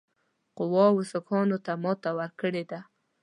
قواوو سیکهانو ته ماته ورکړې ده.